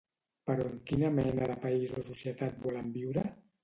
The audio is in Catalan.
Però en quina mena de país o societat volen viure?